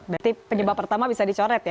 berarti penyebab pertama bisa dicoret ya